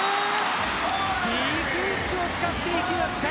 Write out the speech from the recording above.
Ｂクイックを使っていきました。